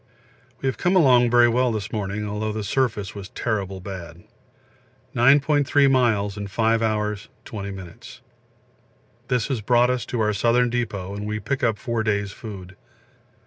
We have come along very well this morning, although the surface was terrible bad 9.3 miles in 5 hours 20 m. This has brought us to our Southern Depot, and we pick up 4 days' food.